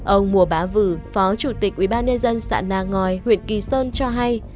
ông mùa bá vử phó chủ tịch ubnd sạn nang ngòi huyện kỳ sơn cho hay